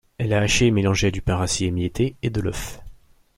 Elle est hachée et mélangée à du pain rassis émietté et de l’œuf.